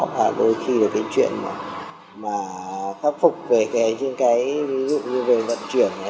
và đôi khi là cái chuyện mà khắc phục về những cái ví dụ như về vận chuyển